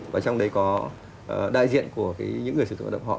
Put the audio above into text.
và trong đấy có đại diện của những người sử dụng hội đồng họ